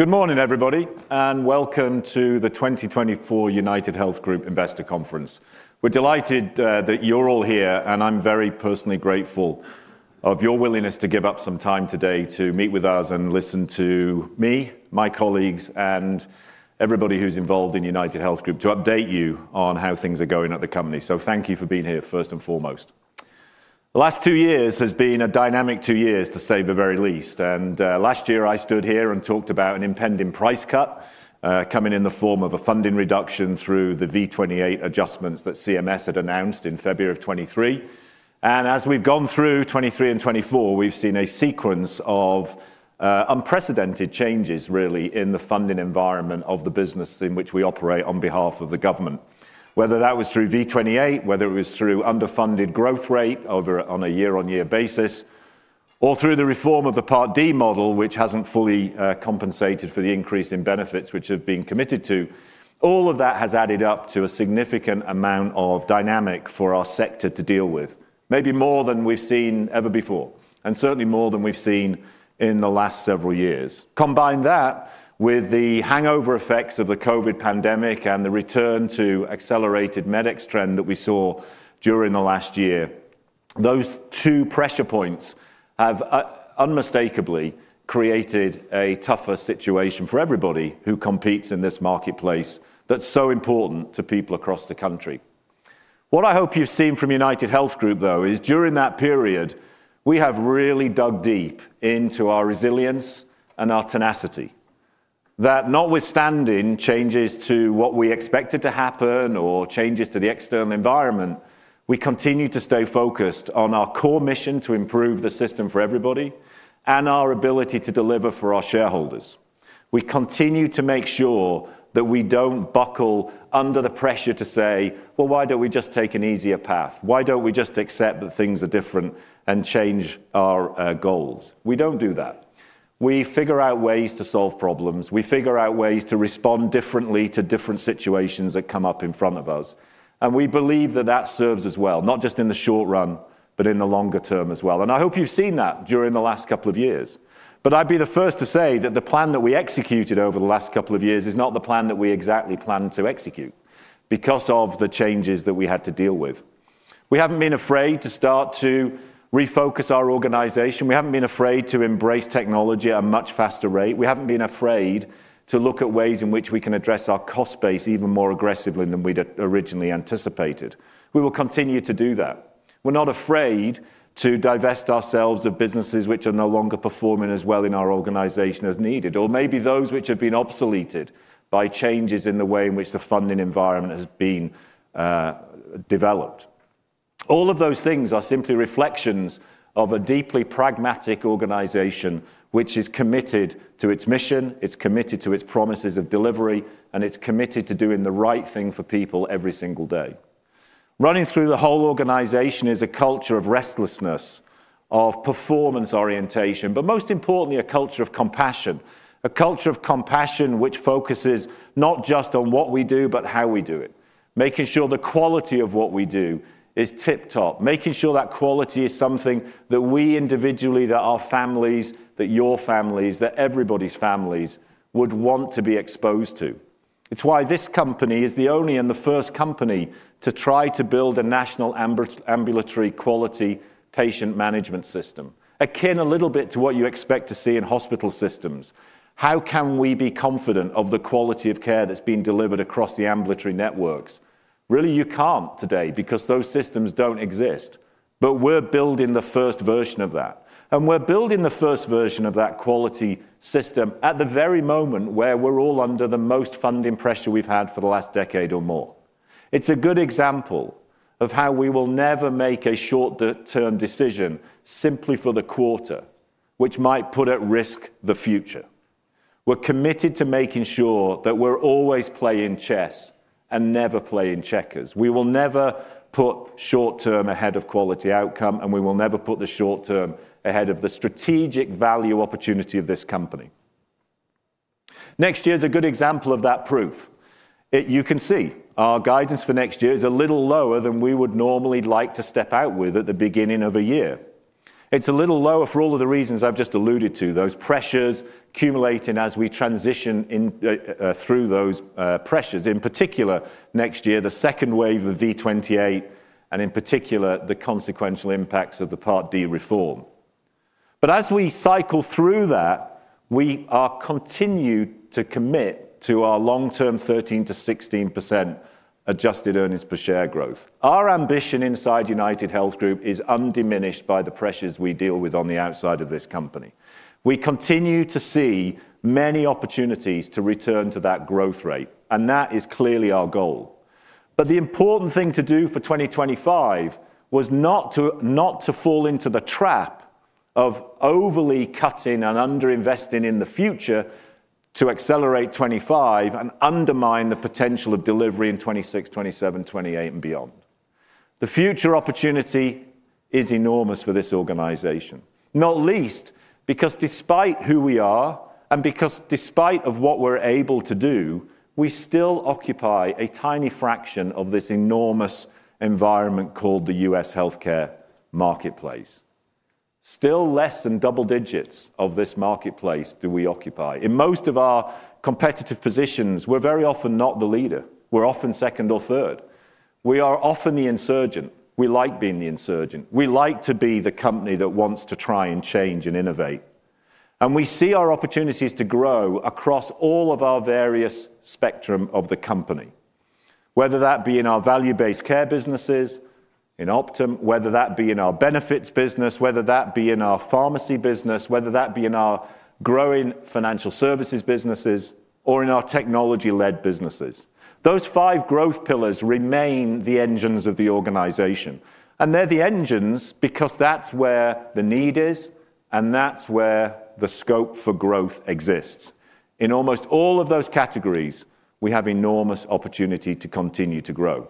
Good morning, everybody, and welcome to the 2024 UnitedHealth Group Investor Conference. We're delighted that you're all here, and I'm very personally grateful of your willingness to give up some time today to meet with us and listen to me, my colleagues, and everybody who's involved in UnitedHealth Group to update you on how things are going at the company. So thank you for being here, first and foremost. The last two years have been a dynamic two years, to say the very least. And last year, I stood here and talked about an impending price cut coming in the form of a funding reduction through the V28 adjustments that CMS had announced in February of 2023. And as we've gone through 2023 and 2024, we've seen a sequence of unprecedented changes, really, in the funding environment of the business in which we operate on behalf of the government,. Whether that was through V28, whether it was through underfunded growth rate over on a year-on-year basis, or through the reform of the Part D model, which hasn't fully compensated for the increase in benefits which have been committed to. All of that has added up to a significant amount of dynamic for our sector to deal with, maybe more than we've seen ever before, and certainly more than we've seen in the last several years. Combine that with the hangover effects of the COVID pandemic and the return to accelerated medical trend that we saw during the last year, those two pressure points have unmistakably created a tougher situation for everybody who competes in this marketplace that's so important to people across the country. What I hope you've seen from UnitedHealth Group, though, is during that period, we have really dug deep into our resilience and our tenacity. That notwithstanding changes to what we expected to happen or changes to the external environment, we continue to stay focused on our core mission to improve the system for everybody and our ability to deliver for our shareholders. We continue to make sure that we don't buckle under the pressure to say, "Well, why don't we just take an easier path? Why don't we just accept that things are different and change our goals?" We don't do that. We figure out ways to solve problems. We figure out ways to respond differently to different situations that come up in front of us, and we believe that that serves as well, not just in the short run, but in the longer term as well, and I hope you've seen that during the last couple of years,. But I'd be the first to say that the plan that we executed over the last couple of years is not the plan that we exactly planned to execute because of the changes that we had to deal with. We haven't been afraid to start to refocus our organization. We haven't been afraid to embrace technology at a much faster rate. We haven't been afraid to look at ways in which we can address our cost base even more aggressively than we'd originally anticipated. We will continue to do that. We're not afraid to divest ourselves of businesses which are no longer performing as well in our organization as needed, or maybe those which have been obsoleted by changes in the way in which the funding environment has been developed. All of those things are simply reflections of a deeply pragmatic organization which is committed to its mission, it's committed to its promises of delivery, and it's committed to doing the right thing for people every single day. Running through the whole organization is a culture of restlessness, of performance orientation, but most importantly, a culture of compassion, a culture of compassion which focuses not just on what we do, but how we do it, making sure the quality of what we do is tip-top, making sure that quality is something that we individually, that our families, that your families, that everybody's families would want to be exposed to. It's why this company is the only and the first company to try to build a national ambulatory quality patient management system, akin a little bit to what you expect to see in hospital systems. How can we be confident of the quality of care that's being delivered across the ambulatory networks? Really, you can't today because those systems don't exist. But we're building the first version of that. And we're building the first version of that quality system at the very moment where we're all under the most funding pressure we've had for the last decade or more. It's a good example of how we will never make a short-term decision simply for the quarter, which might put at risk the future. We're committed to making sure that we're always playing chess and never playing checkers. We will never put short-term ahead of quality outcome, and we will never put the short-term ahead of the strategic value opportunity of this company. Next year is a good example of that proof. You can see our guidance for next year is a little lower than we would normally like to step out with at the beginning of a year. It's a little lower for all of the reasons I've just alluded to, those pressures accumulating as we transition through those pressures, in particular next year, the second wave of V28, and in particular the consequential impacts of the Part D reform. But as we cycle through that, we are continued to commit to our long-term 13%-16% adjusted earnings per share growth. Our ambition inside UnitedHealth Group is undiminished by the pressures we deal with on the outside of this company. We continue to see many opportunities to return to that growth rate, and that is clearly our goal. But the important thing to do for 2025 was not to fall into the trap of overly cutting and underinvesting in the future to accelerate 2025 and undermine the potential of delivery in 2026, 2027, 2028, and beyond. The future opportunity is enormous for this organization, not least because despite who we are and because despite what we're able to do, we still occupy a tiny fraction of this enormous environment called the U.S. healthcare marketplace. Still less than double digits of this marketplace do we occupy. In most of our competitive positions, we're very often not the leader. We're often second or third. We are often the insurgent. We like being the insurgent. We like to be the company that wants to try and change and innovate, and we see our opportunities to grow across all of our various spectrum of the company. Whether that be in our value-based care businesses in Optum, whether that be in our benefits business, whether that be in our pharmacy business, whether that be in our growing financial services businesses, or in our technology-led businesses. Those five growth pillars remain the engines of the organization. And they're the engines because that's where the need is, and that's where the scope for growth exists. In almost all of those categories, we have enormous opportunity to continue to grow.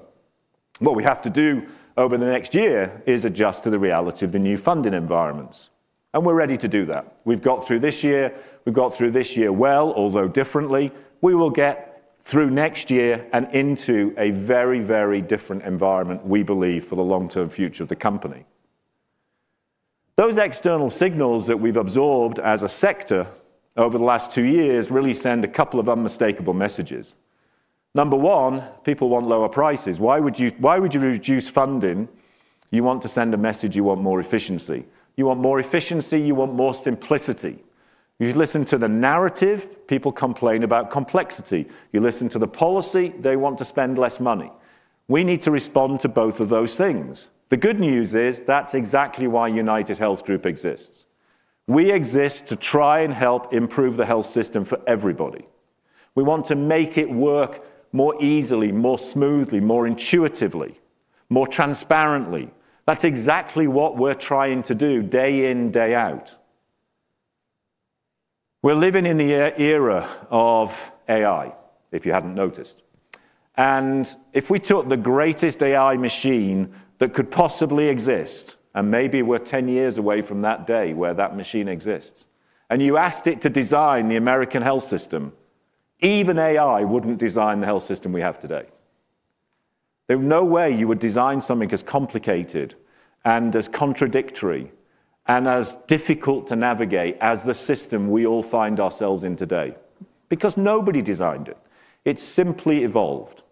What we have to do over the next year is adjust to the reality of the new funding environments. And we're ready to do that. We've got through this year. We've got through this year well, although differently. We will get through next year and into a very, very different environment, we believe, for the long-term future of the company. Those external signals that we've absorbed as a sector over the last two years really send a couple of unmistakable messages. Number one, people want lower prices. Why would you reduce funding? You want to send a message you want more efficiency. You want more efficiency. You want more simplicity. You listen to the narrative. People complain about complexity. You listen to the policy. They want to spend less money. We need to respond to both of those things. The good news is that's exactly why UnitedHealth Group exists. We exist to try and help improve the health system for everybody. We want to make it work more easily, more smoothly, more intuitively, more transparently. That's exactly what we're trying to do day in, day out. We're living in the era of AI, if you hadn't noticed. And if we took the greatest AI machine that could possibly exist, and maybe we're 10 years away from that day where that machine exists, and you asked it to design the American health system, even AI wouldn't design the health system we have today. There's no way you would design something as complicated and as contradictory and as difficult to navigate as the system we all find ourselves in today because nobody designed it. It simply evolved.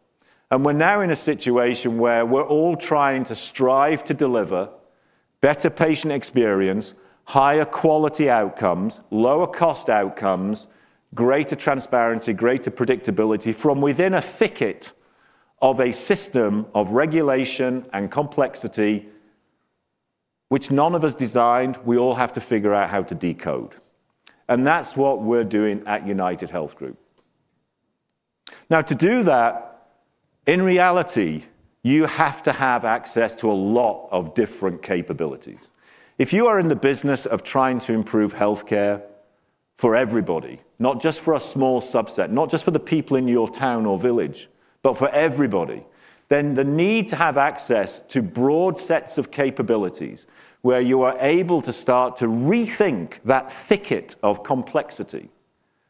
And we're now in a situation where we're all trying to strive to deliver better patient experience, higher quality outcomes, lower cost outcomes, greater transparency, greater predictability from within a thicket of a system of regulation and complexity which none of us designed. We all have to figure out how to decode. And that's what we're doing at UnitedHealth Group. Now, to do that, in reality, you have to have access to a lot of different capabilities. If you are in the business of trying to improve healthcare for everybody, not just for a small subset, not just for the people in your town or village, but for everybody, then the need to have access to broad sets of capabilities where you are able to start to rethink that thicket of complexity,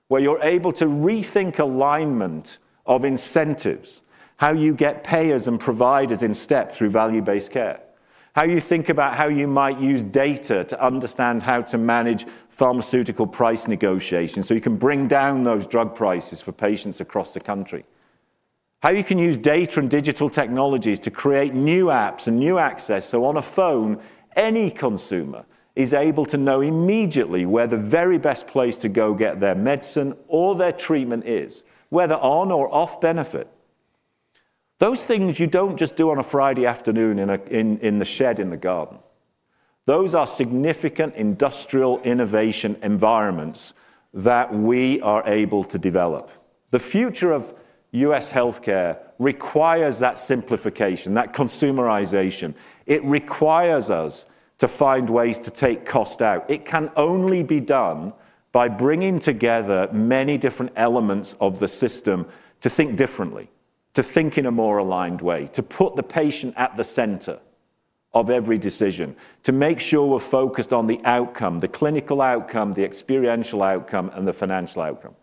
where you're able to rethink alignment of incentives, how you get payers and providers in step through value-based care, how you think about how you might use data to understand how to manage pharmaceutical price negotiations so you can bring down those drug prices for patients across the country. How you can use data and digital technologies to create new apps and new access so on a phone, any consumer is able to know immediately where the very best place to go get their medicine or their treatment is, whether on or off benefit. Those things you don't just do on a Friday afternoon in the shed in the garden. Those are significant industrial innovation environments that we are able to develop. The future of U.S. healthcare requires that simplification, that consumerization. It requires us to find ways to take cost out. It can only be done by bringing together many different elements of the system to think differently, to think in a more aligned way, to put the patient at the center of every decision, to make sure we're focused on the outcome, the clinical outcome, the experiential outcome, and the financial outcome.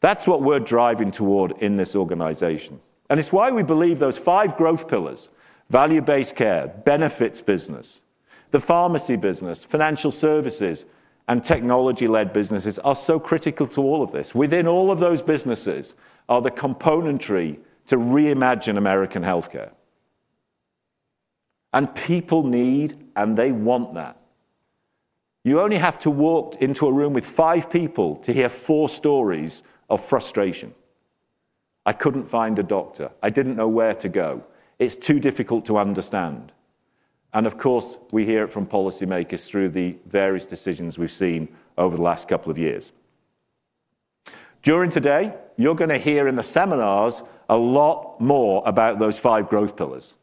That's what we're driving toward in this organization. And it's why we believe those five growth pillars: value-based care, benefits business, the pharmacy business, financial services, and technology-led businesses are so critical to all of this. Within all of those businesses are the componentry to reimagine American healthcare. People need, and they want that. You only have to walk into a room with five people to hear four stories of frustration. "I couldn't find a doctor. I didn't know where to go. It's too difficult to understand." Of course, we hear it from policymakers through the various decisions we've seen over the last couple of years. During today, you're going to hear in the seminars a lot more about those five growth pillars.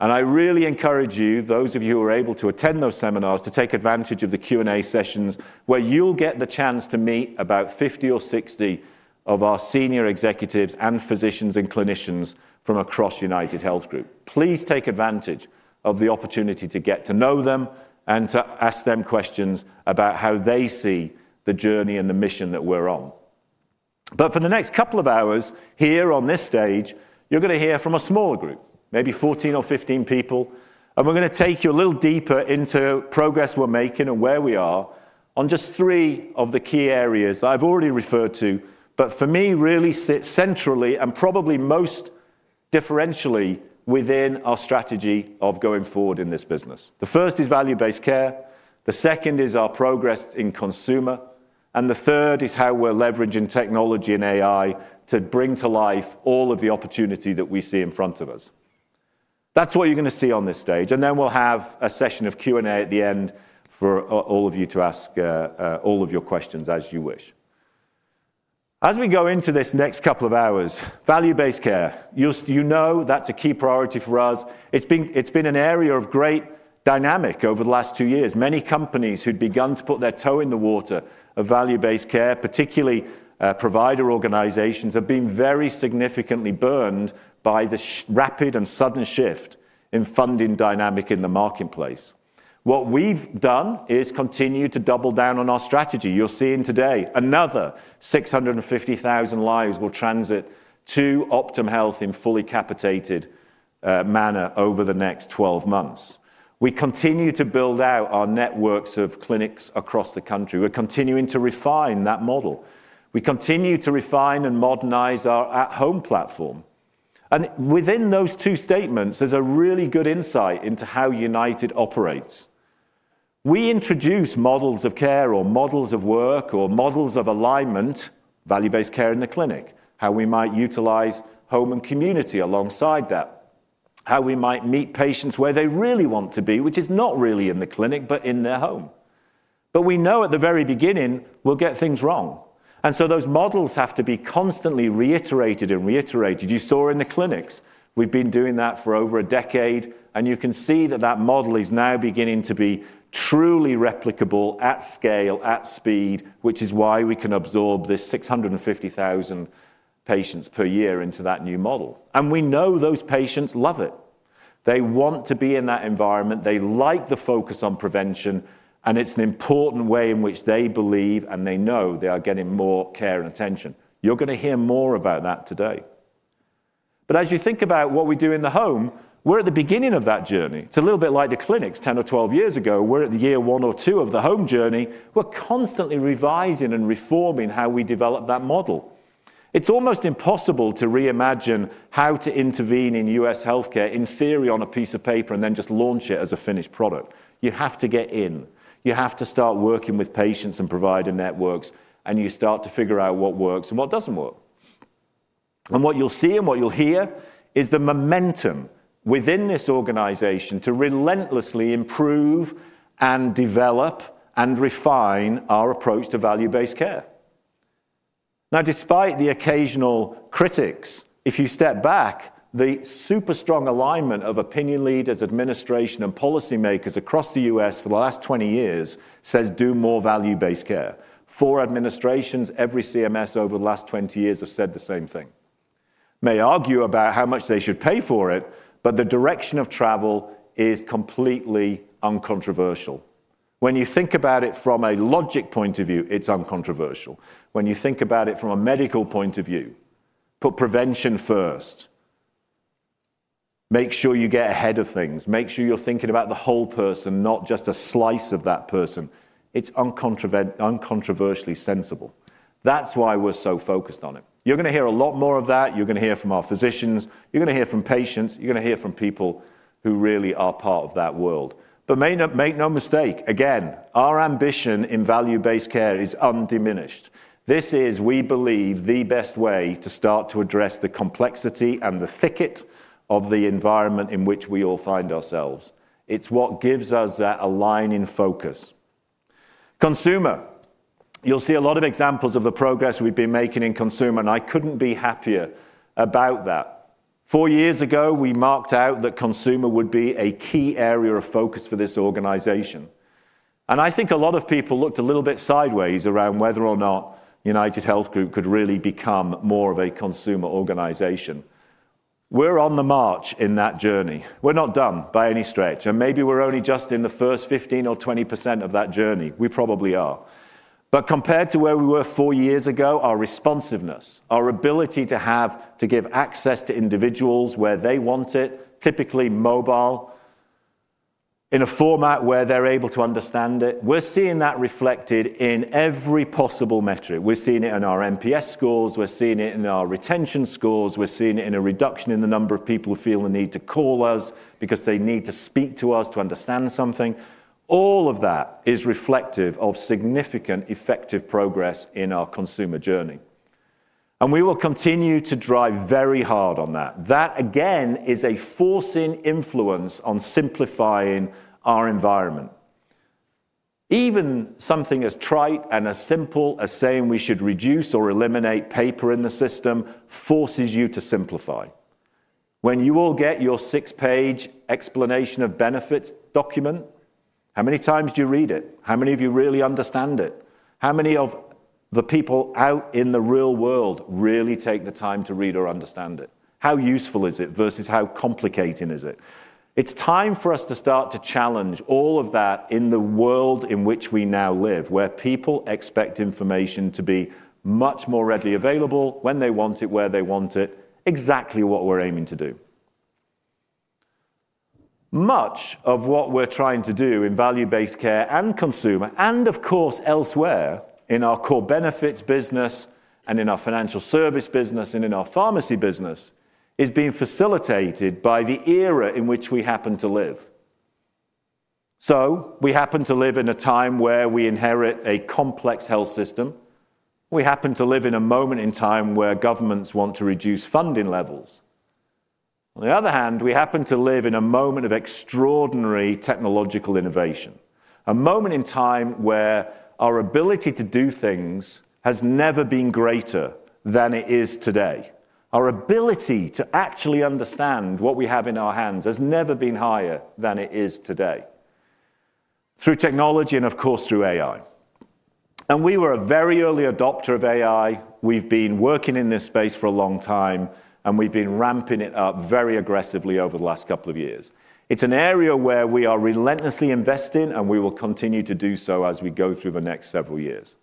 I really encourage you, those of you who are able to attend those seminars, to take advantage of the Q&A sessions where you'll get the chance to meet about 50 or 60 of our senior executives and physicians and clinicians from across UnitedHealth Group. Please take advantage of the opportunity to get to know them and to ask them questions about how they see the journey and the mission that we're on. But for the next couple of hours here on this stage, you're going to hear from a smaller group, maybe 14 or 15 people. And we're going to take you a little deeper into progress we're making and where we are on just three of the key areas I've already referred to, but for me really sit centrally and probably most differentially within our strategy of going forward in this business. The first is value-based care. The second is our progress in consumer. And the third is how we're leveraging technology and AI to bring to life all of the opportunity that we see in front of us. That's what you're going to see on this stage. And then we'll have a session of Q&A at the end for all of you to ask all of your questions as you wish. As we go into this next couple of hours, value-based care, you know that's a key priority for us. It's been an area of great dynamic over the last two years. Many companies who'd begun to put their toe in the water of value-based care, particularly provider organizations, have been very significantly burned by the rapid and sudden shift in funding dynamic in the marketplace. What we've done is continue to double down on our strategy. You're seeing today another 650,000 lives will transition to Optum Health in fully capitated manner over the next 12 months. We continue to build out our networks of clinics across the country. We're continuing to refine that model. We continue to refine and modernize our at-home platform, and within those two statements, there's a really good insight into how United operates. We introduce models of care or models of work or models of alignment, value-based care in the clinic, how we might utilize home and community alongside that, how we might meet patients where they really want to be, which is not really in the clinic, but in their home. But we know at the very beginning, we'll get things wrong. And so those models have to be constantly reiterated and reiterated. You saw in the clinics, we've been doing that for over a decade. And you can see that that model is now beginning to be truly replicable at scale, at speed, which is why we can absorb this 650,000 patients per year into that new model. And we know those patients love it. They want to be in that environment. They like the focus on prevention. And it's an important way in which they believe and they know they are getting more care and attention. You're going to hear more about that today. But as you think about what we do in the home, we're at the beginning of that journey. It's a little bit like the clinics 10 or 12 years ago. We're at the year one or two of the home journey. We're constantly revising and reforming how we develop that model. It's almost impossible to reimagine how to intervene in U.S. healthcare in theory on a piece of paper and then just launch it as a finished product. You have to get in. You have to start working with patients and provider networks, and you start to figure out what works and what doesn't work. And what you'll see and what you'll hear is the momentum within this organization to relentlessly improve and develop and refine our approach to value-based care. Now, despite the occasional critics, if you step back, the super strong alignment of opinion leaders, administration, and policymakers across the U.S. for the last 20 years says "Do more value-based care". Four administrations, every CMS over the last 20 years have said the same thing. May argue about how much they should pay for it, but the direction of travel is completely uncontroversial. When you think about it from a logic point of view, it's uncontroversial. When you think about it from a medical point of view, put prevention first. Make sure you get ahead of things. Make sure you're thinking about the whole person, not just a slice of that person. It's uncontroversially sensible. That's why we're so focused on it. You're going to hear a lot more of that. You're going to hear from our physicians. You're going to hear from patients. You're going to hear from people who really are part of that world, but make no mistake, again, our ambition in value-based care is undiminished. This is, we believe, the best way to start to address the complexity and the thicket of the environment in which we all find ourselves. It's what gives us that aligning focus. Consumer, you'll see a lot of examples of the progress we've been making in consumer, and I couldn't be happier about that. Four years ago, we marked out that consumer would be a key area of focus for this organization, and I think a lot of people looked a little bit sideways around whether or not UnitedHealth Group could really become more of a consumer organization. We're on the march in that journey. We're not done by any stretch. And maybe we're only just in the first 15% or 20% of that journey. We probably are. But compared to where we were four years ago, our responsiveness, our ability to give access to individuals where they want it, typically mobile, in a format where they're able to understand it, we're seeing that reflected in every possible metric. We're seeing it in our NPS scores. We're seeing it in our retention scores. We're seeing it in a reduction in the number of people who feel the need to call us because they need to speak to us to understand something. All of that is reflective of significant effective progress in our consumer journey. And we will continue to drive very hard on that. That, again, is a forcing influence on simplifying our environment. Even something as trite and as simple as saying we should reduce or eliminate paper in the system forces you to simplify. When you all get your six-page explanation of benefits document, how many times do you read it? How many of you really understand it? How many of the people out in the real world really take the time to read or understand it? How useful is it versus how complicating is it? It's time for us to start to challenge all of that in the world in which we now live, where people expect information to be much more readily available when they want it, where they want it, exactly what we're aiming to do. Much of what we're trying to do in value-based care and consumer, and of course elsewhere in our core Benefits business and in our Financial Service business and in our Pharmacy business, is being facilitated by the era in which we happen to live, so we happen to live in a time where we inherit a complex health system. We happen to live in a moment in time where governments want to reduce funding levels. On the other hand, we happen to live in a moment of extraordinary technological innovation, a moment in time where our ability to do things has never been greater than it is today. Our ability to actually understand what we have in our hands has never been higher than it is today through technology and of course through AI, and we were a very early adopter of AI. We've been working in this space for a long time, and we've been ramping it up very aggressively over the last couple of years. It's an area where we are relentlessly investing, and we will continue to do so as we go through the next several years.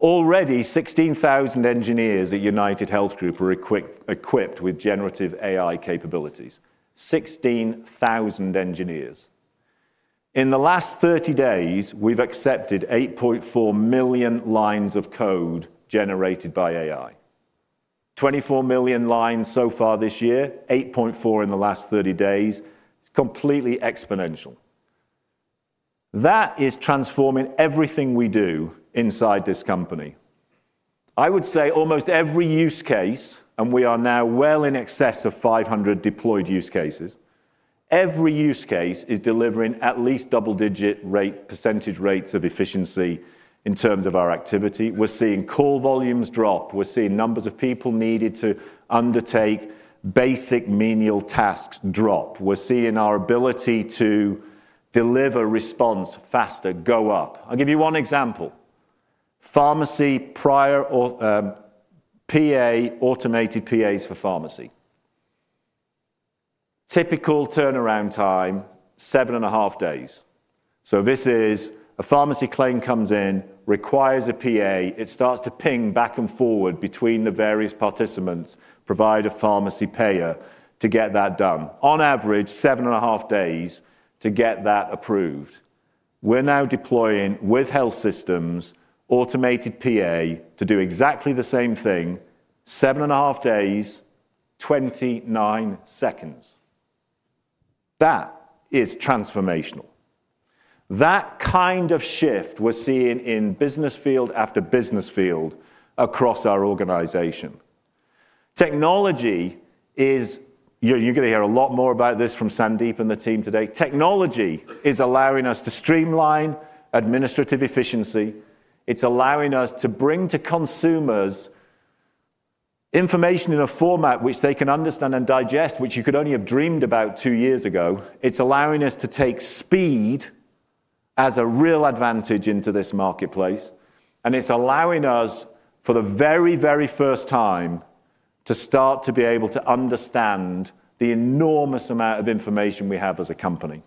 Already, 16,000 engineers at UnitedHealth Group are equipped with generative AI capabilities, 16,000 engineers. In the last 30 days, we've accepted 8.4 million lines of code generated by AI, 24 million lines so far this year, 8.4 million in the last 30 days. It's completely exponential. That is transforming everything we do inside this company. I would say almost every use case, and we are now well in excess of 500 deployed use cases, every use case is delivering at least double-digit percentage rates of efficiency in terms of our activity. We're seeing call volumes drop. We're seeing numbers of people needed to undertake basic menial tasks drop. We're seeing our ability to deliver response faster go up. I'll give you one example. Automated PAs for pharmacy. Typical turnaround time, 7.5 days. So this is a pharmacy claim comes in, requires a PA. It starts to ping back and forward between the various participants, provider, pharmacy, payer to get that done. On average, 7.5 days to get that approved. We're now deploying with health systems automated PA to do exactly the same thing, 7.5 days, 29 seconds. That is transformational. That kind of shift we're seeing in business field after business field across our organization. Technology is, you're going to hear a lot more about this from Sandeep and the team today. Technology is allowing us to streamline administrative efficiency. It's allowing us to bring to consumers information in a format which they can understand and digest, which you could only have dreamed about two years ago. It's allowing us to take speed as a real advantage into this marketplace. And it's allowing us for the very, very first time to start to be able to understand the enormous amount of information we have as a company.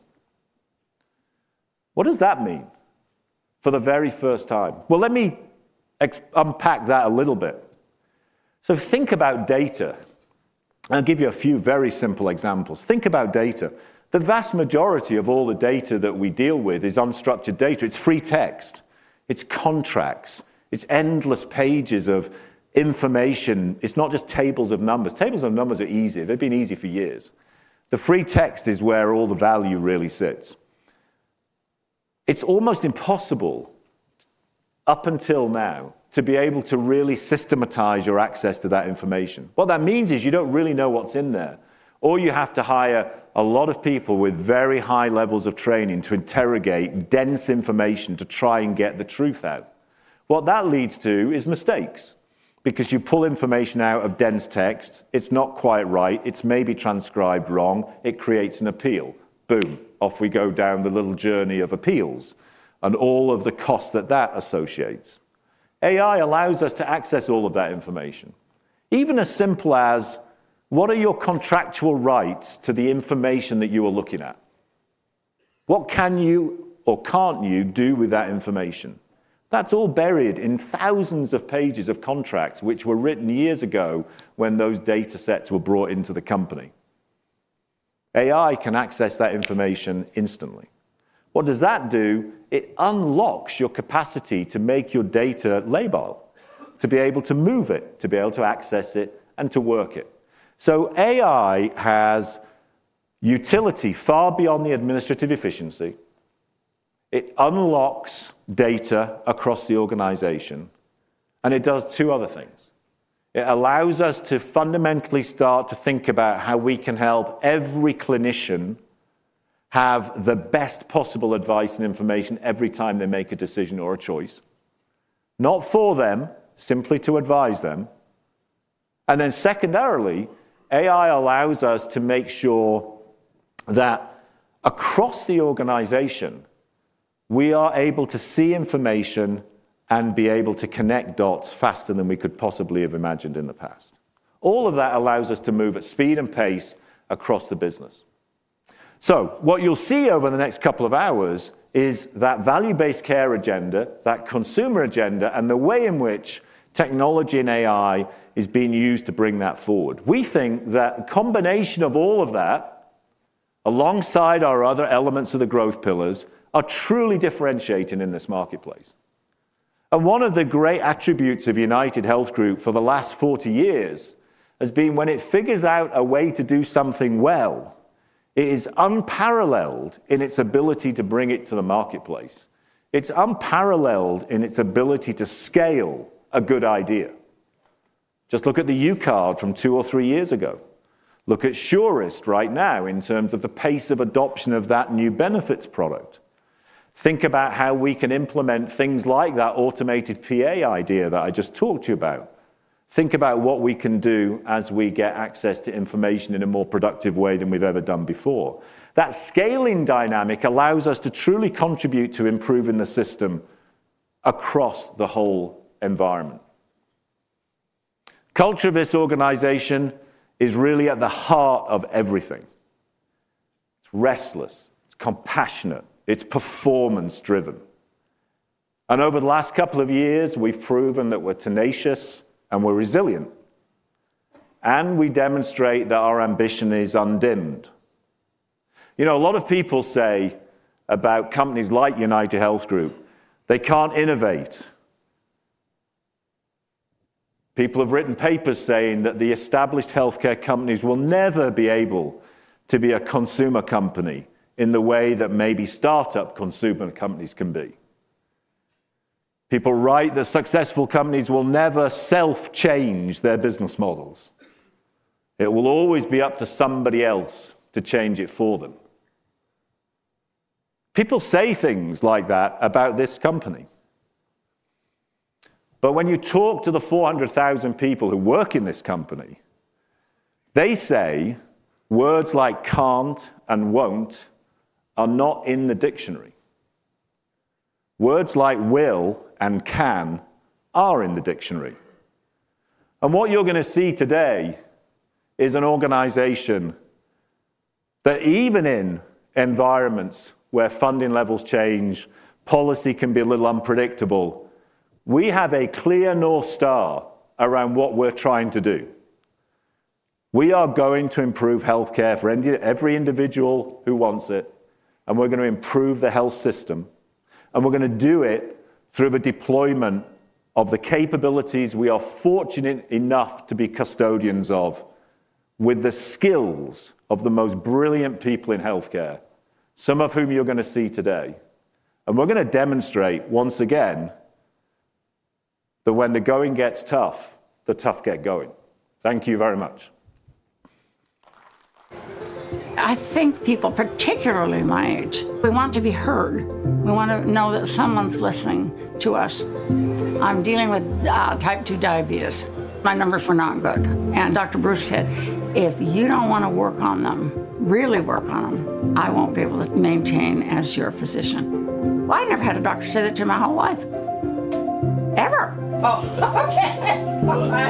What does that mean for the very first time? Well, let me unpack that a little bit. So think about data. I'll give you a few very simple examples. Think about data. The vast majority of all the data that we deal with is unstructured data. It's free text. It's contracts. It's endless pages of information. It's not just tables of numbers. Tables of numbers are easy. They've been easy for years. The free text is where all the value really sits. It's almost impossible up until now to be able to really systematize your access to that information. What that means is you don't really know what's in there. Or you have to hire a lot of people with very high levels of training to interrogate dense information to try and get the truth out. What that leads to is mistakes because you pull information out of dense text. It's not quite right. It's maybe transcribed wrong. It creates an appeal. Boom, off we go down the little journey of appeals and all of the costs that that associates. AI allows us to access all of that information. Even as simple as what are your contractual rights to the information that you are looking at? What can you or can't you do with that information? That's all buried in thousands of pages of contracts which were written years ago when those data sets were brought into the company. AI can access that information instantly. What does that do? It unlocks your capacity to make your data mobile, to be able to move it, to be able to access it, and to work it. So AI has utility far beyond the administrative efficiency. It unlocks data across the organization, and it does two other things. It allows us to fundamentally start to think about how we can help every clinician have the best possible advice and information every time they make a decision or a choice, not for them, simply to advise them. And then secondarily, AI allows us to make sure that across the organization, we are able to see information and be able to connect dots faster than we could possibly have imagined in the past. All of that allows us to move at speed and pace across the business. So what you'll see over the next couple of hours is that value-based care agenda, that consumer agenda, and the way in which technology and AI is being used to bring that forward. We think that the combination of all of that alongside our other elements of the growth pillars are truly differentiating in this marketplace. And one of the great attributes of UnitedHealth Group for the last 40 years has been when it figures out a way to do something well, it is unparalleled in its ability to bring it to the marketplace. It's unparalleled in its ability to scale a good idea. Just look at the UCard from two or three years ago. Look at Surest right now in terms of the pace of adoption of that new benefits product. Think about how we can implement things like that automated PA idea that I just talked to you about. Think about what we can do as we get access to information in a more productive way than we've ever done before. That scaling dynamic allows us to truly contribute to improving the system across the whole environment. Culture of this organization is really at the heart of everything. It's restless. It's compassionate. It's performance-driven. And over the last couple of years, we've proven that we're tenacious and we're resilient. And we demonstrate that our ambition is undimmed. You know, a lot of people say about companies like UnitedHealth Group, they can't innovate. People have written papers saying that the established healthcare companies will never be able to be a consumer company in the way that maybe startup consumer companies can be. People write that successful companies will never self-change their business models. It will always be up to somebody else to change it for them. People say things like that about this company. But when you talk to the 400,000 people who work in this company, they say words like can't and won't are not in the dictionary. Words like will and can are in the dictionary. And what you're going to see today is an organization that even in environments where funding levels change, policy can be a little unpredictable. We have a clear North Star around what we're trying to do. We are going to improve healthcare for every individual who wants it, and we're going to improve the health system, and we're going to do it through the deployment of the capabilities we are fortunate enough to be custodians of with the skills of the most brilliant people in healthcare, some of whom you're going to see today, and we're going to demonstrate once again that when the going gets tough, the tough get going. Thank you very much. I think people, particularly my age, we want to be heard. We want to know that someone's listening to us. I'm dealing with type 2 diabetes. My numbers were not good, and Dr. Bruce said, if you don't want to work on them, really work on them, I won't be able to maintain as your physician, well, I never had a doctor say that in my whole life, ever.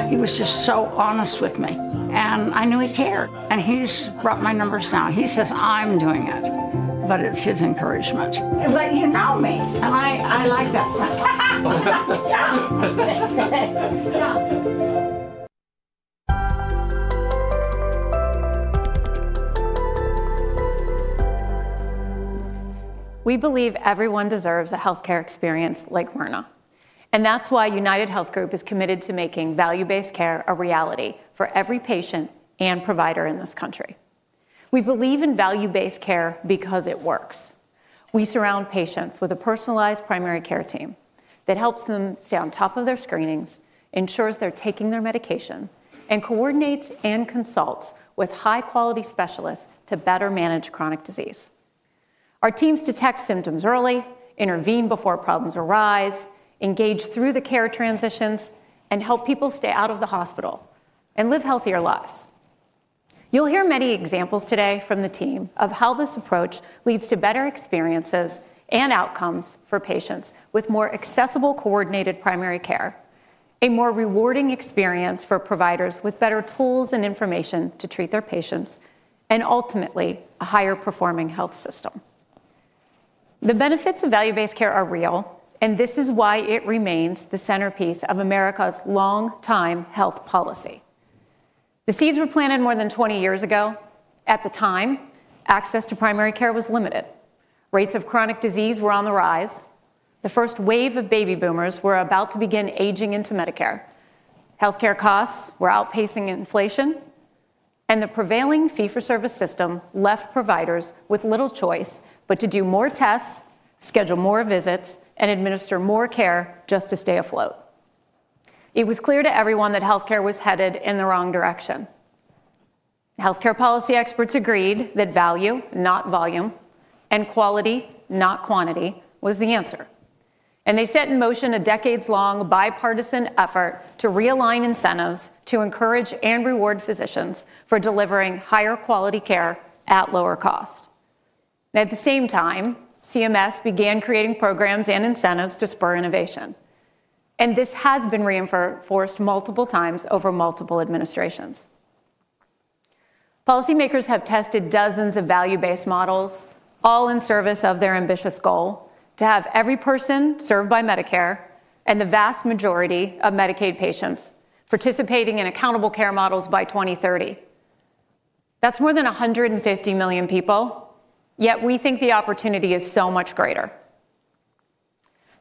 He was just so honest with me, and I knew he cared. And he's brought my numbers down. He says I'm doing it, but it's his encouragement. But you know me, and I like that. We believe everyone deserves a healthcare experience like Verna. And that's why UnitedHealth Group is committed to making value-based care a reality for every patient and provider in this country. We believe in value-based care because it works. We surround patients with a personalized primary care team that helps them stay on top of their screenings, ensures they're taking their medication, and coordinates and consults with high-quality specialists to better manage chronic disease. Our teams detect symptoms early, intervene before problems arise, engage through the care transitions, and help people stay out of the hospital and live healthier lives. You'll hear many examples today from the team of how this approach leads to better experiences and outcomes for patients with more accessible coordinated primary care, a more rewarding experience for providers with better tools and information to treat their patients, and ultimately a higher-performing health system. The benefits of value-based care are real, and this is why it remains the centerpiece of America's long-time health policy. The seeds were planted more than 20 years ago. At the time, access to primary care was limited. Rates of chronic disease were on the rise. The first wave of baby boomers were about to begin aging into Medicare. Healthcare costs were outpacing inflation, and the prevailing fee-for-service system left providers with little choice but to do more tests, schedule more visits, and administer more care just to stay afloat. It was clear to everyone that healthcare was headed in the wrong direction. Healthcare policy experts agreed that value, not volume, and quality, not quantity, was the answer, and they set in motion a decades-long bipartisan effort to realign incentives to encourage and reward physicians for delivering higher-quality care at lower cost. At the same time, CMS began creating programs and incentives to spur innovation, and this has been reinforced multiple times over multiple administrations. Policymakers have tested dozens of value-based models, all in service of their ambitious goal to have every person served by Medicare and the vast majority of Medicaid patients participating in accountable care models by 2030. That's more than 150 million people, yet we think the opportunity is so much greater.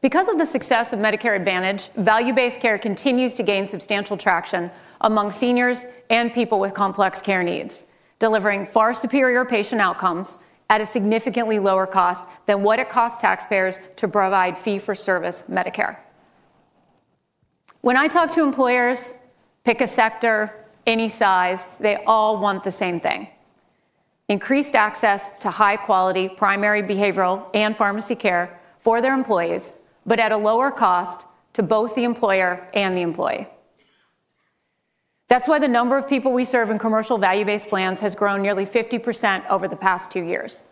Because of the success of Medicare Advantage, value-based care continues to gain substantial traction among seniors and people with complex care needs, delivering far superior patient outcomes at a significantly lower cost than what it costs taxpayers to provide fee-for-service Medicare. When I talk to employers, pick a sector, any size, they all want the same thing: increased access to high-quality primary behavioral and pharmacy care for their employees, but at a lower cost to both the employer and the employee. That's why the number of people we serve in commercial value-based plans has grown nearly 50% over the past two years.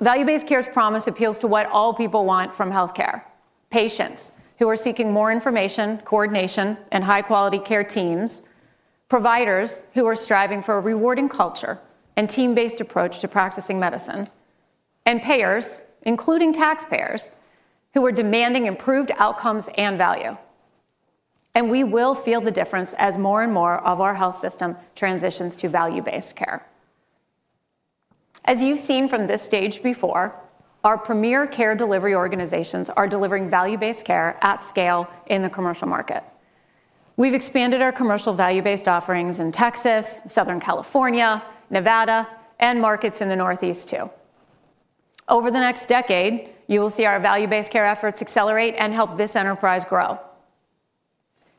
value-based care's promise appeals to what all people want from healthcare: patients who are seeking more information, coordination, and high-quality care teams, providers who are striving for a rewarding culture and team-based approach to practicing medicine, and payers, including taxpayers, who are demanding improved outcomes and value. And we will feel the difference as more and more of our health system transitions to value-based care. As you've seen from this stage before, our premier care delivery organizations are delivering value-based care at scale in the commercial market. We've expanded our commercial value-based offerings in Texas, Southern California, Nevada, and markets in the Northeast too. Over the next decade, you will see our value-based care efforts accelerate and help this enterprise grow.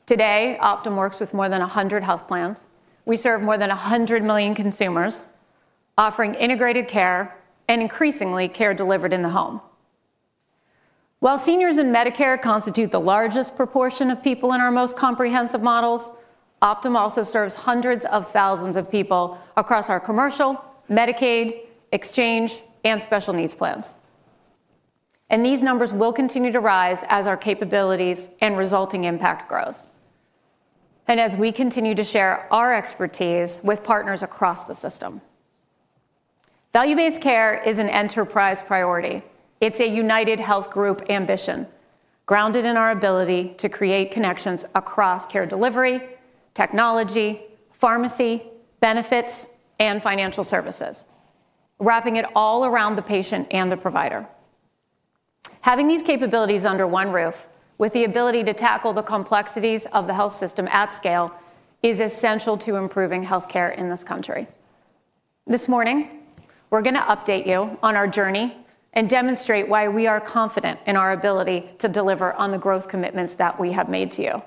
Today, Optum works with more than 100 health plans. We serve more than 100 million consumers, offering integrated care and increasingly care delivered in the home. While seniors and Medicare constitute the largest proportion of people in our most comprehensive models, Optum also serves hundreds of thousands of people across our commercial, Medicaid, exchange, and special needs plans. And these numbers will continue to rise as our capabilities and resulting impact grows and as we continue to share our expertise with partners across the system. value-based care is an enterprise priority. It's a UnitedHealth Group ambition grounded in our ability to create connections across care delivery, technology, pharmacy, benefits, and financial services, wrapping it all around the patient and the provider. Having these capabilities under one roof, with the ability to tackle the complexities of the health system at scale, is essential to improving healthcare in this country. This morning, we're going to update you on our journey and demonstrate why we are confident in our ability to deliver on the growth commitments that we have made to you.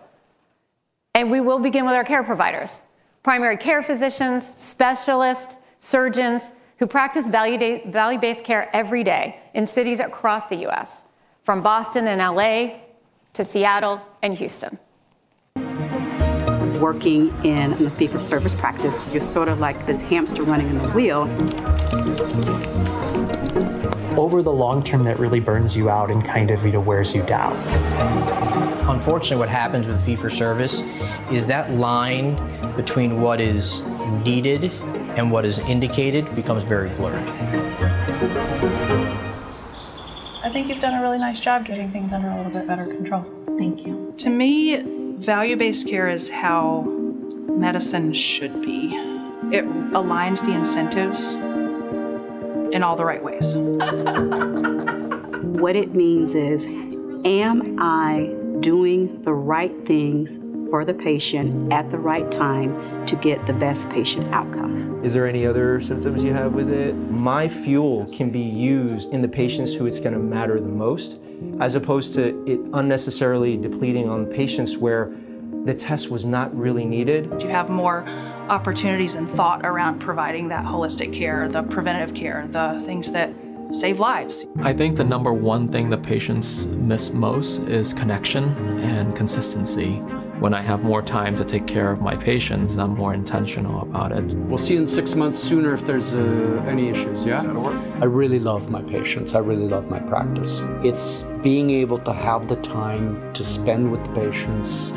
We will begin with our care providers: primary care physicians, specialists, surgeons who practice value-based care every day in cities across the U.S., from Boston and LA to Seattle and Houston. Working in the fee-for-service practice, you're sort of like this hamster running in the wheel. Over the long term, that really burns you out and kind of wears you down. Unfortunately, what happens with fee-for-service is that line between what is needed and what is indicated becomes very blurry. I think you've done a really nice job getting things under a little bit better control. Thank you. To me, value-based care is how medicine should be. It aligns the incentives in all the right ways. What it means is, am I doing the right things for the patient at the right time to get the best patient outcome? Is there any other symptoms you have with it? My fuel can be used in the patients who it's going to matter the most, as opposed to it unnecessarily depleting on patients where the test was not really needed. You have more opportunities and thought around providing that holistic care, the preventative care, the things that save lives. I think the number one thing that patients miss most is connection and consistency. When I have more time to take care of my patients, I'm more intentional about it. We'll see you in six months, sooner if there's any issues, yeah? I really love my patients. I really love my practice. It's being able to have the time to spend with patients,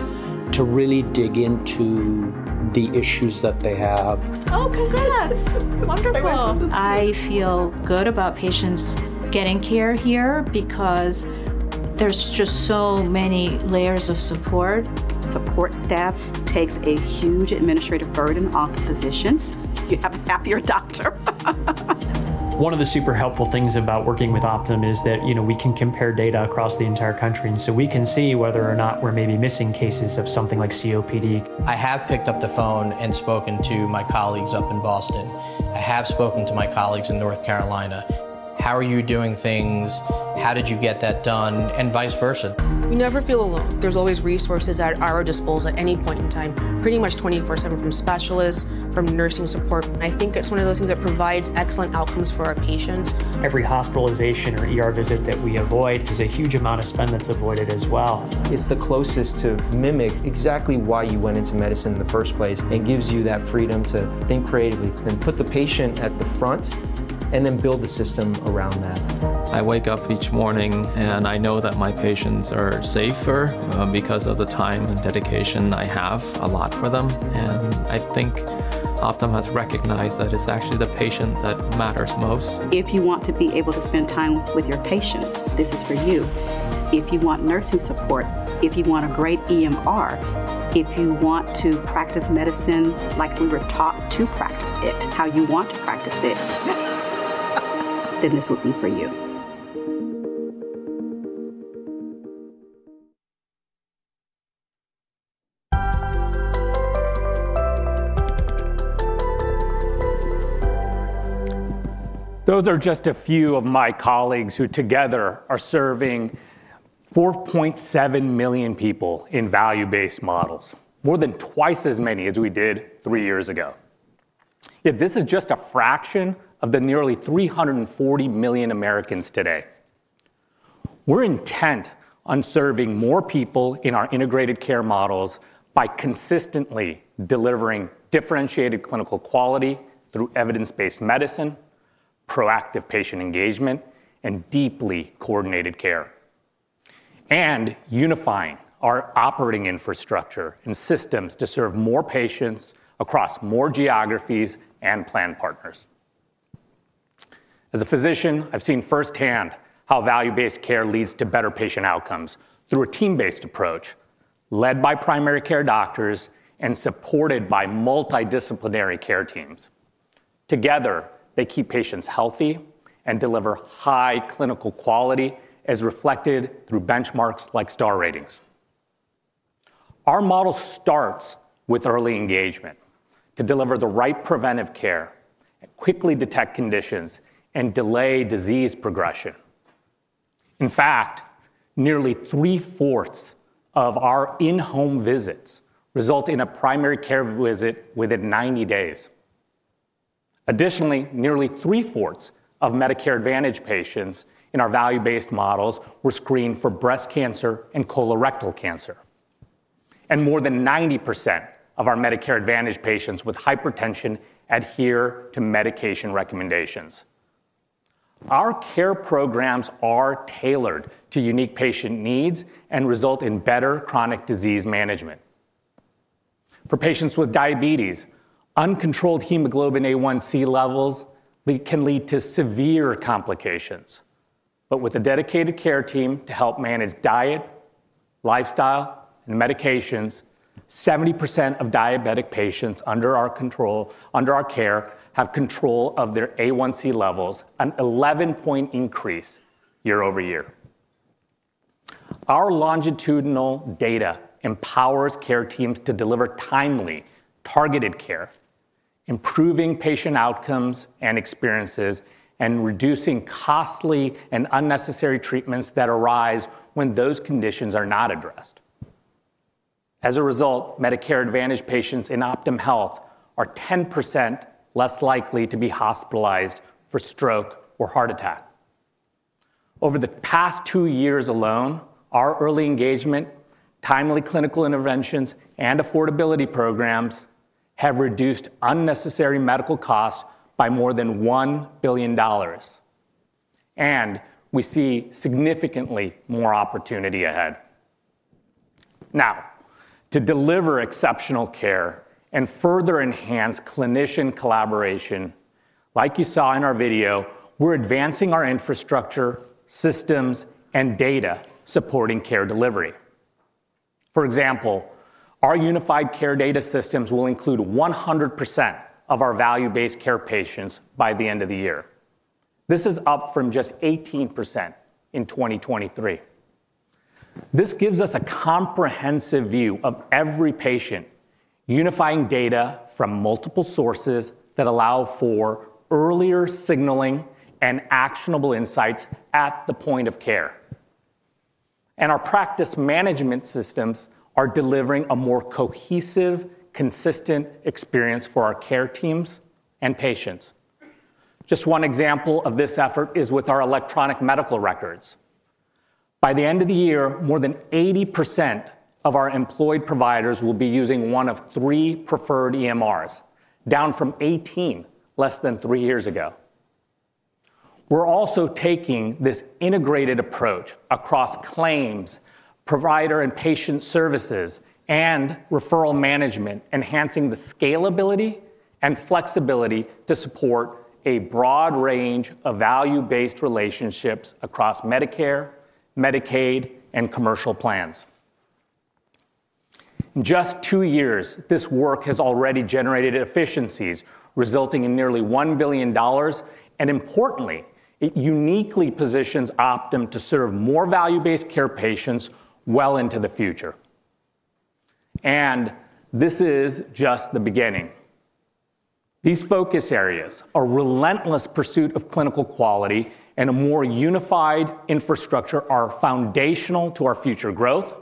to really dig into the issues that they have. Oh, congrats. Wonderful. I feel good about patients getting care here because there's just so many layers of support. Support staff takes a huge administrative burden off the physicians. You have to map your doctor. One of the super helpful things about working with Optum is that we can compare data across the entire country, and so we can see whether or not we're maybe missing cases of something like COPD. I have picked up the phone and spoken to my colleagues up in Boston. I have spoken to my colleagues in North Carolina. How are you doing things? How did you get that done? And vice versa. We never feel alone. There's always resources at our disposal at any point in time, pretty much 24/7, from specialists, from nursing support. I think it's one of those things that provides excellent outcomes for our patients. Every hospitalization or visit that we avoid is a huge amount of spend that's avoided as well. It's the closest to mimic exactly why you went into medicine in the first place and gives you that freedom to think creatively and put the patient at the front and then build the system around that. I wake up each morning, and I know that my patients are safer because of the time and dedication I have a lot for them, and I think Optum has recognized that it's actually the patient that matters most. If you want to be able to spend time with your patients, this is for you. If you want nursing support, if you want a great EMR, if you want to practice medicine like we were taught to practice it, how you want to practice it, then this will be for you. Those are just a few of my colleagues who together are serving 4.7 million people in value-based models, more than twice as many as we did three years ago. Yet this is just a fraction of the nearly 340 million Americans today. We're intent on serving more people in our integrated care models by consistently delivering differentiated clinical quality through evidence-based medicine, proactive patient engagement, and deeply coordinated care, and unifying our operating infrastructure and systems to serve more patients across more geographies and plan partners. As a physician, I've seen firsthand how value-based care leads to better patient outcomes through a team-based approach led by primary care doctors and supported by multidisciplinary care teams. Together, they keep patients healthy and deliver high clinical quality, as reflected through benchmarks like Star Ratings. Our model starts with early engagement to deliver the right preventive care, quickly detect conditions, and delay disease progression. In fact, nearly three-fourths of our in-home visits result in a primary care visit within 90 days. Additionally, nearly three-fourths of Medicare Advantage patients in our value-based models were screened for breast cancer and colorectal cancer. And more than 90% of our Medicare Advantage patients with hypertension adhere to medication recommendations. Our care programs are tailored to unique patient needs and result in better chronic disease management. For patients with diabetes, uncontrolled Hemoglobin A1c levels can lead to severe complications. But with a dedicated care team to help manage diet, lifestyle, and medications, 70% of diabetic patients under our control, under our care, have control of their A1c levels, an 11-point increase year over year. Our longitudinal data empowers care teams to deliver timely, targeted care, improving patient outcomes and experiences, and reducing costly and unnecessary treatments that arise when those conditions are not addressed. As a result, Medicare Advantage patients in Optum Health are 10% less likely to be hospitalized for stroke or heart attack. Over the past two years alone, our early engagement, timely clinical interventions, and affordability programs have reduced unnecessary medical costs by more than $1 billion. And we see significantly more opportunity ahead. Now, to deliver exceptional care and further enhance clinician collaboration, like you saw in our video, we're advancing our infrastructure, systems, and data supporting care delivery. For example, our unified care data systems will include 100% of our value-based care patients by the end of the year. This is up from just 18% in 2023. This gives us a comprehensive view of every patient, unifying data from multiple sources that allow for earlier signaling and actionable insights at the point of care. Our practice management systems are delivering a more cohesive, consistent experience for our care teams and patients. Just one example of this effort is with our electronic medical records. By the end of the year, more than 80% of our employed providers will be using one of three preferred EMRs, down from 18 less than three years ago. We're also taking this integrated approach across claims, provider and patient services, and referral management, enhancing the scalability and flexibility to support a broad range of value-based relationships across Medicare, Medicaid, and commercial plans. In just two years, this work has already generated efficiencies, resulting in nearly $1 billion. And importantly, it uniquely positions Optum to serve more value-based care patients well into the future. And this is just the beginning. These focus areas, our relentless pursuit of clinical quality and a more unified infrastructure, are foundational to our future growth,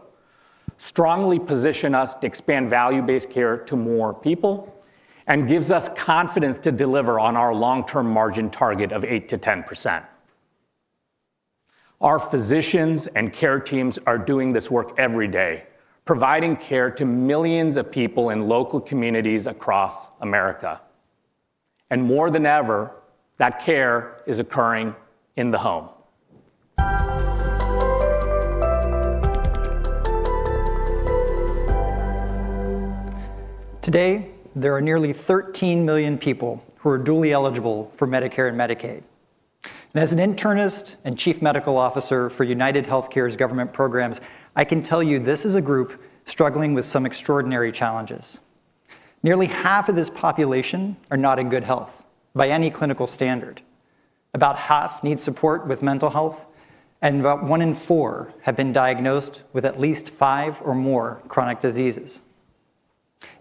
strongly position us to expand value-based care to more people, and give us confidence to deliver on our long-term margin target of 8%-10%. Our physicians and care teams are doing this work every day, providing care to millions of people in local communities across America. And more than ever, that care is occurring in the home. Today, there are nearly 13 million people who are dually eligible for Medicare and Medicaid. And as an internist and Chief Medical Officer for UnitedHealthcare's government programs, I can tell you this is a group struggling with some extraordinary challenges. Nearly half of this population are not in good health by any clinical standard. About half need support with mental health, and about one in four have been diagnosed with at least five or more chronic diseases.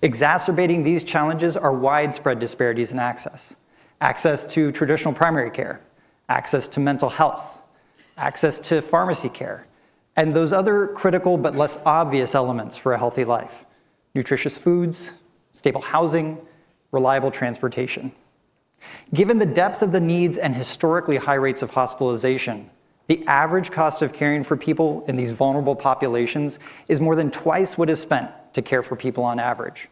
Exacerbating these challenges are widespread disparities in access: access to traditional primary care, access to mental health, access to pharmacy care, and those other critical but less obvious elements for a healthy life: nutritious foods, stable housing, reliable transportation. Given the depth of the needs and historically high rates of hospitalization, the average cost of caring for people in these vulnerable populations is more than twice what is spent to care for people on average.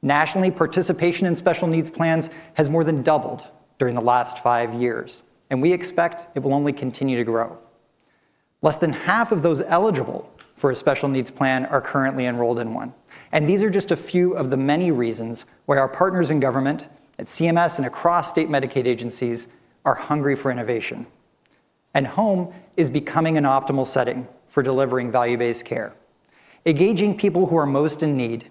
Nationally, participation in Special Needs Plans has more than doubled during the last five years, and we expect it will only continue to grow. Less than half of those eligible for a special needs plan are currently enrolled in one, and these are just a few of the many reasons why our partners in government at CMS and across state Medicaid agencies are hungry for innovation, and home is becoming an optimal setting for delivering value-based care, engaging people who are most in need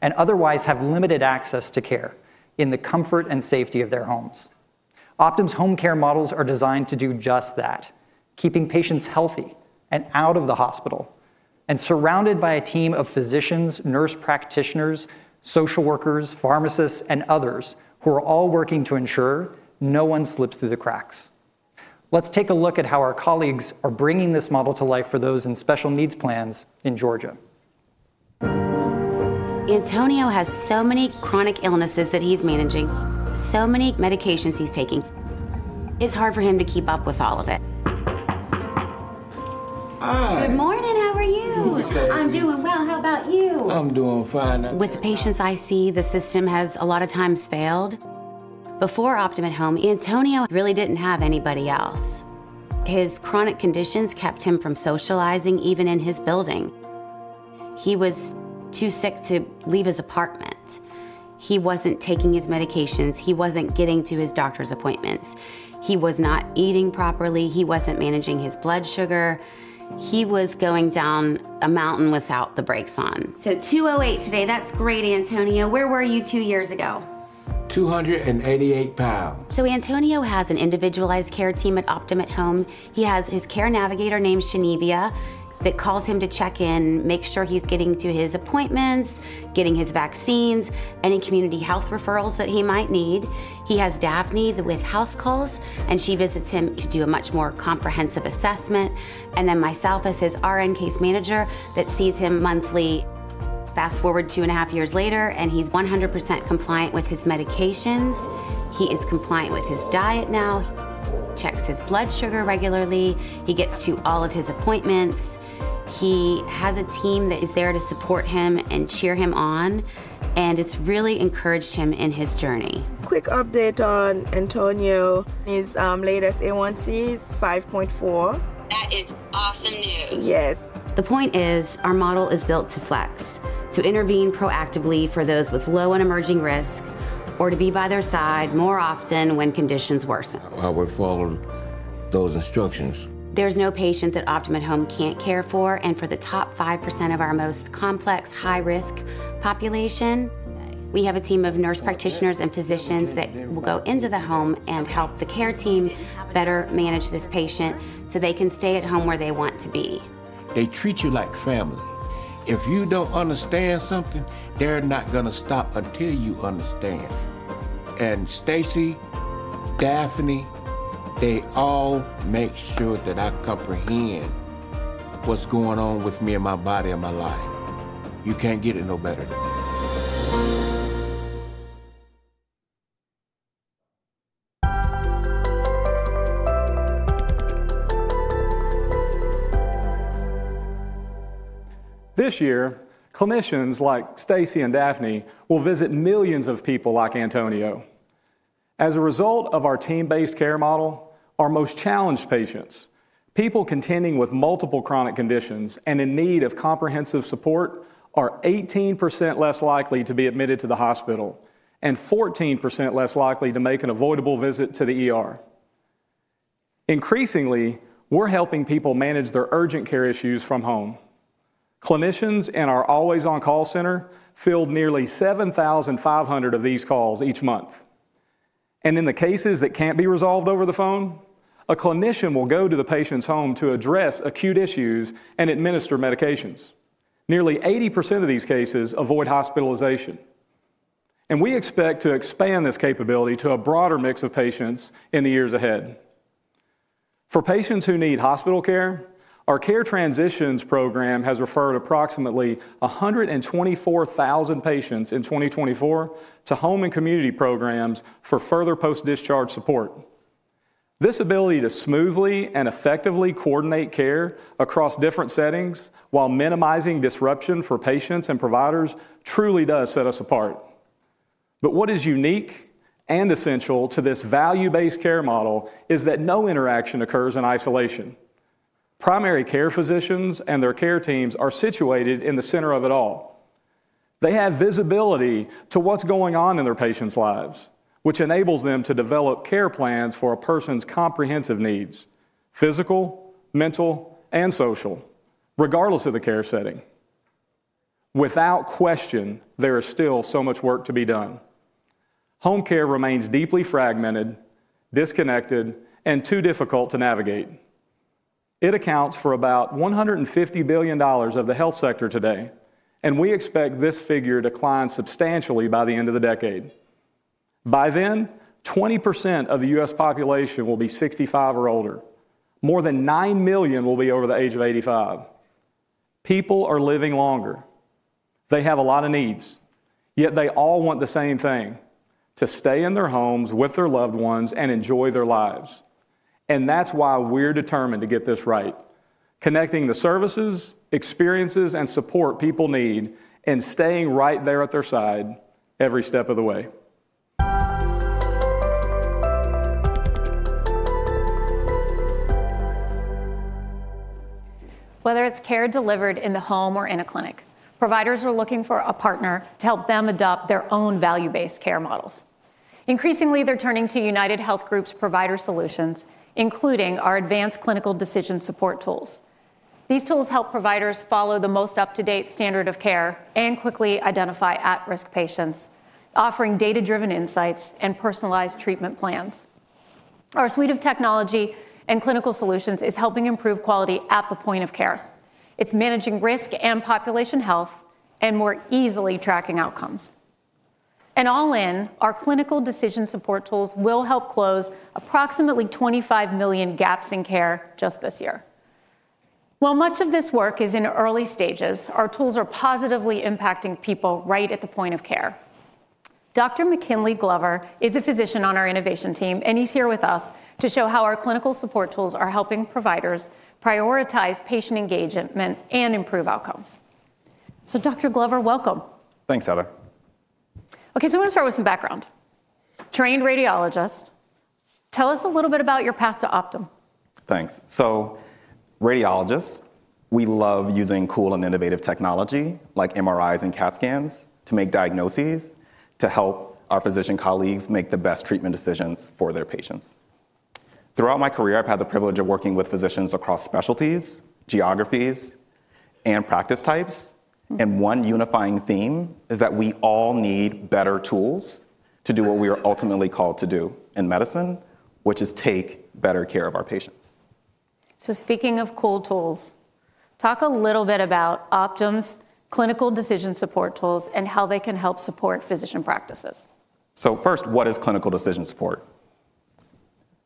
and otherwise have limited access to care in the comfort and safety of their homes. Optum's home care models are designed to do just that, keeping patients healthy and out of the hospital and surrounded by a team of physicians, nurse practitioners, social workers, pharmacists, and others who are all working to ensure no one slips through the cracks. Let's take a look at how our colleagues are bringing this model to life for those in Special Needs Plans in Georgia. Antonio has so many chronic illnesses that he's managing, so many medications he's taking. It's hard for him to keep up with all of it. Hi. Good morning. How are you? Good. I'm doing well. How about you? I'm doing fine. With the patients I see, the system has a lot of times failed. Before Optum at Home, Antonio really didn't have anybody else. His chronic conditions kept him from socializing, even in his building. He was too sick to leave his apartment. He wasn't taking his medications. He wasn't getting to his doctor's appointments. He was not eating properly. He wasn't managing his blood sugar. He was going down a mountain without the brakes on. So 208 today. That's great, Antonio. Where were you two years ago? 288 pounds. So Antonio has an individualized care team at Optum at Home. He has his care navigator named Genevia that calls him to check in, make sure he's getting to his appointments, getting his vaccines, any community health referrals that he might need. He has Daphne with HouseCalls, and she visits him to do a much more comprehensive assessment. And then myself as his RN case manager that sees him monthly. Fast forward two and a half years later, and he's 100% compliant with his medications. He is compliant with his diet now. He checks his blood sugar regularly. He gets to all of his appointments. He has a team that is there to support him and cheer him on, and it's really encouraged him in his journey. Quick update on Antonio. His latest A1c is 5.4. That is awesome news. Yes. The point is our model is built to flex, to intervene proactively for those with low and emerging risk, or to be by their side more often when conditions worsen. I will follow those instructions. There's no patient that Optum at Home can't care for. And for the top 5% of our most complex high-risk population, we have a team of nurse practitioners and physicians that will go into the home and help the care team better manage this patient so they can stay at home where they want to be. They treat you like family. If you don't understand something, they're not going to stop until you understand. And Stacy, Daphne, they all make sure that I comprehend what's going on with me and my body and my life. You can't get it no better. This year, clinicians like Stacy and Daphne will visit millions of people like Antonio. As a result of our team-based care model, our most challenged patients, people contending with multiple chronic conditions and in need of comprehensive support, are 18% less likely to be admitted to the hospital and 14% less likely to make an avoidable visit to the ER. Increasingly, we're helping people manage their urgent care issues from home. Clinicians in our always-on call center field nearly 7,500 of these calls each month. And in the cases that can't be resolved over the phone, a clinician will go to the patient's home to address acute issues and administer medications. Nearly 80% of these cases avoid hospitalization. And we expect to expand this capability to a broader mix of patients in the years ahead. For patients who need hospital care, our Care Transitions program has referred approximately 124,000 patients in 2024 to home and community programs for further post-discharge support. This ability to smoothly and effectively coordinate care across different settings while minimizing disruption for patients and providers truly does set us apart. But what is unique and essential to this value-based care model is that no interaction occurs in isolation. Primary care physicians and their care teams are situated in the center of it all. They have visibility to what's going on in their patients' lives, which enables them to develop care plans for a person's comprehensive needs: physical, mental, and social, regardless of the care setting. Without question, there is still so much work to be done. Home care remains deeply fragmented, disconnected, and too difficult to navigate. It accounts for about $150 billion of the health sector today, and we expect this figure to climb substantially by the end of the decade. By then, 20% of the U.S. population will be 65 or older. More than 9 million will be over the age of 85. People are living longer. They have a lot of needs, yet they all want the same thing: to stay in their homes with their loved ones and enjoy their lives. And that's why we're determined to get this right: connecting the services, experiences, and support people need and staying right there at their side every step of the way. Whether it's care delivered in the home or in a clinic, providers are looking for a partner to help them adopt their own value-based care models. Increasingly, they're turning to UnitedHealth Group's provider solutions, including our advanced clinical decision support tools. These tools help providers follow the most up-to-date standard of care and quickly identify at-risk patients, offering data-driven insights and personalized treatment plans. Our suite of technology and clinical solutions is helping improve quality at the point of care. It's managing risk and population health and more easily tracking outcomes, and all in, our clinical decision support tools will help close approximately 25 million gaps in care just this year. While much of this work is in early stages, our tools are positively impacting people right at the point of care. Dr. McKinley Glover is a physician on our Innovation team, and he's here with us to show how our clinical support tools are helping providers prioritize patient engagement and improve outcomes. So, Dr. Glover, welcome. Thanks, Heather. Okay, so I'm going to start with some background. Trained radiologist. Tell us a little bit about your path to Optum. Thanks. So, radiologists, we love using cool and innovative technology like MRIs and CAT scans to make diagnoses to help our physician colleagues make the best treatment decisions for their patients. Throughout my career, I've had the privilege of working with physicians across specialties, geographies, and practice types. And one unifying theme is that we all need better tools to do what we are ultimately called to do in medicine, which is take better care of our patients. So, speaking of cool tools, talk a little bit about Optum's clinical decision support tools and how they can help support physician practices. So first, what is clinical decision support?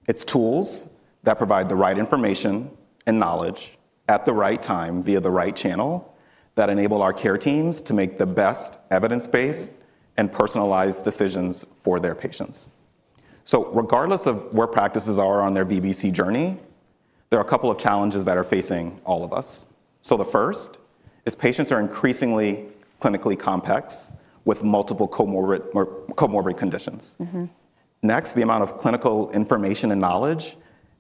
It's tools that provide the right information and knowledge at the right time via the right channel that enable our care teams to make the best evidence-based and personalized decisions for their patients. So, regardless of where practices are on their VBC journey, there are a couple of challenges that are facing all of us. So, the first is patients are increasingly clinically complex with multiple comorbid conditions. Next, the amount of clinical information and knowledge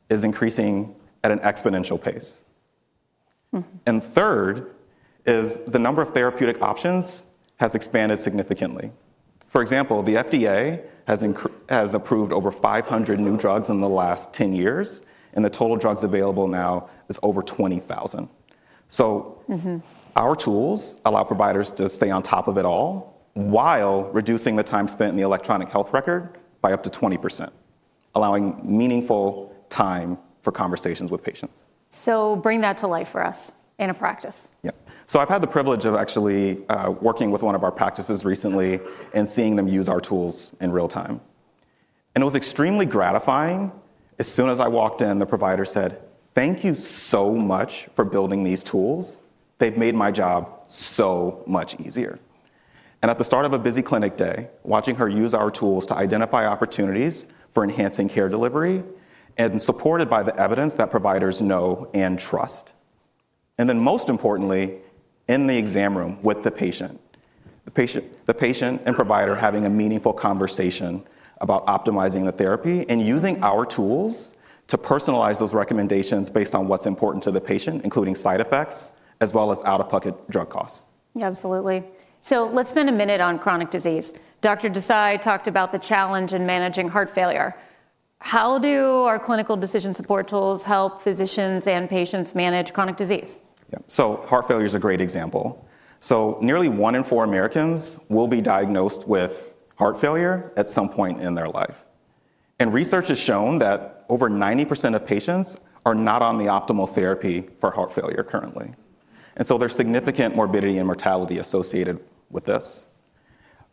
is increasing at an exponential pace, and third, the number of therapeutic options has expanded significantly. For example, the FDA has approved over 500 new drugs in the last 10 years, and the total drugs available now is over 20,000, so our tools allow providers to stay on top of it all while reducing the time spent in the electronic health record by up to 20%, allowing meaningful time for conversations with patients. So bring that to life for us in a practice. Yeah, so I've had the privilege of actually working with one of our practices recently and seeing them use our tools in real time, and it was extremely gratifying. As soon as I walked in, the provider said, "Thank you so much for building these tools. They've made my job so much easier," and at the start of a busy clinic day, watching her use our tools to identify opportunities for enhancing care delivery and supported by the evidence that providers know and trust, and then, most importantly, in the exam room with the patient, the patient and provider having a meaningful conversation about optimizing the therapy and using our tools to personalize those recommendations based on what's important to the patient, including side effects, as well as out-of-pocket drug costs. Yeah, absolutely, so let's spend a minute on chronic disease. Dr. Desai talked about the challenge in managing heart failure. How do our clinical decision support tools help physicians and patients manage chronic disease? Yeah, so heart failure is a great example, so nearly one in four Americans will be diagnosed with heart failure at some point in their life. And research has shown that over 90% of patients are not on the optimal therapy for heart failure currently. And so, there's significant morbidity and mortality associated with this.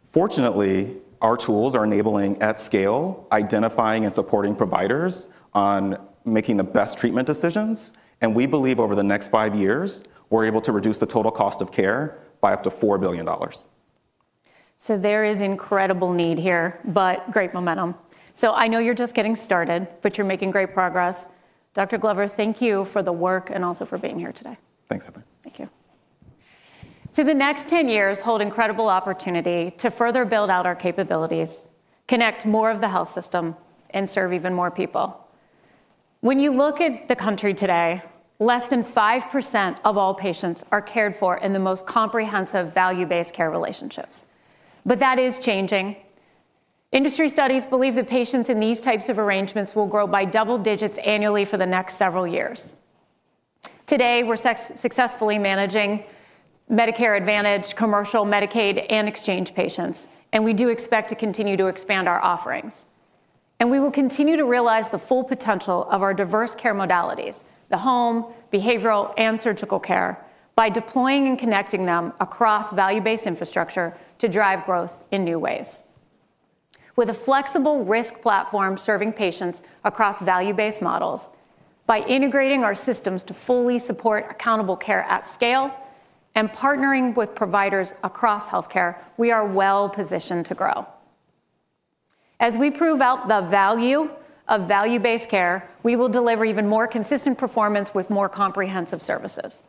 Fortunately, our tools are enabling, at scale, identifying and supporting providers on making the best treatment decisions. And we believe over the next five years, we're able to reduce the total cost of care by up to $4 billion. So, there is incredible need here, but great momentum. So, I know you're just getting started, but you're making great progress. Dr. Glover, thank you for the work and also for being here today. Thanks, Heather. Thank you. So, the next 10 years hold incredible opportunity to further build out our capabilities, connect more of the health system, and serve even more people. When you look at the country today, less than 5% of all patients are cared for in the most comprehensive value-based care relationships. But that is changing. Industry studies believe that patients in these types of arrangements will grow by double digits annually for the next several years. Today, we're successfully managing Medicare Advantage, commercial, Medicaid, and exchange patients, and we do expect to continue to expand our offerings. And we will continue to realize the full potential of our diverse care modalities, the home, behavioral, and surgical care, by deploying and connecting them across value-based infrastructure to drive growth in new ways. With a flexible risk platform serving patients across value-based models, by integrating our systems to fully support accountable care at scale, and partnering with providers across healthcare, we are well positioned to grow. As we prove out the value of value-based care, we will deliver even more consistent performance with more comprehensive services.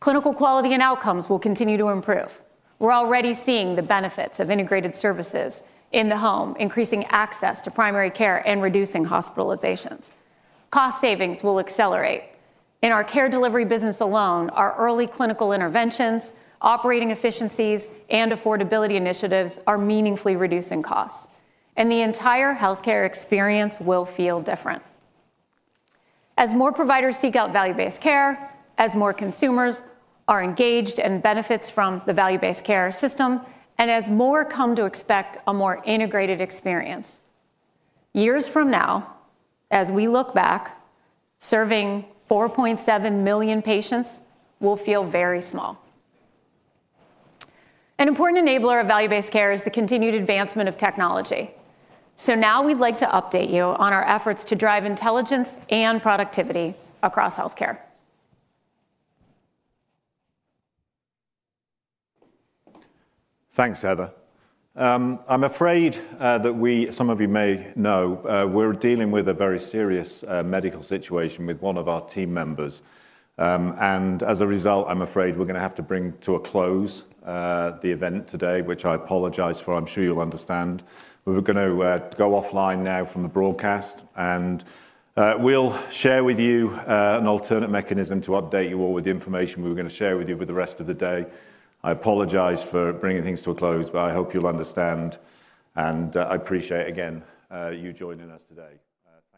Clinical quality and outcomes will continue to improve. We're already seeing the benefits of integrated services in the home, increasing access to primary care and reducing hospitalizations. Cost savings will accelerate. In our care delivery business alone, our early clinical interventions, operating efficiencies, and affordability initiatives are meaningfully reducing costs. And the entire healthcare experience will feel different. As more providers seek out value-based care, as more consumers are engaged and benefit from the value-based care system, and as more come to expect a more integrated experience, years from now, as we look back, serving 4.7 million patients will feel very small. An important enabler of value-based care is the continued advancement of technology. So now we'd like to update you on our efforts to drive intelligence and productivity across healthcare. Thanks, Heather. I'm afraid that some of you may know we're dealing with a very serious medical situation with one of our team members. And as a result, I'm afraid we're going to have to bring to a close the event today, which I apologize for. I'm sure you'll understand. We're going to go offline now from the broadcast, and we'll share with you an alternate mechanism to update you all with the information we're going to share with you for the rest of the day. I apologize for bringing things to a close, but I hope you'll understand. And I appreciate, again, you joining us today.